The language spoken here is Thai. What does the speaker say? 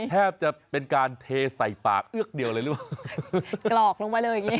แทบจะเป็นการเทใส่ปากเอือกเดี่ยวเลยเลย